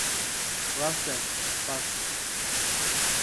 Rast e. Spas.